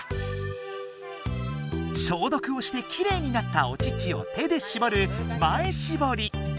消毒をしてきれいになったお乳を手でしぼる「前しぼり」。